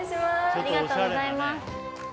ありがとうございます